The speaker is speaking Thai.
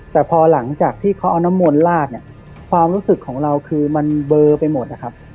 แต่พอหลังจากที่เขาเอาน้ำมนต์ลาดเนี่ยความรู้สึกของเราคือมันเบอร์ไปหมดนะครับ